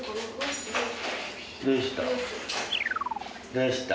どうした？